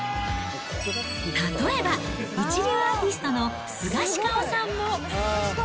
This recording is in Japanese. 例えば、一流アーティストのスガシカオさんも。